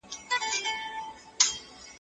دغه کوچنی د پخواني جنګ په برخي کي پوښتني کوی.